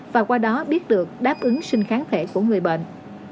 và qua đó biết được đáp ứng sinh kháng thể của người bệnh